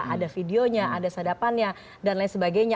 ada videonya ada sadapannya dan lain sebagainya